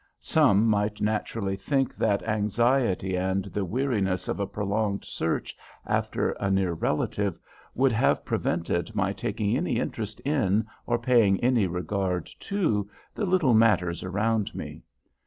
Some might naturally think that anxiety and the weariness of a prolonged search after a near relative would have prevented my taking any interest in or paying any regard to the little matters around me.